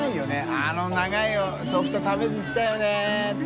あの長いソフト食べに行ったよねって。